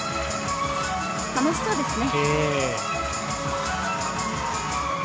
楽しそうですね。